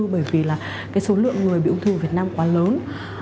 bởi vì là cái số lượng người bị ung thư ở việt nam quá lớn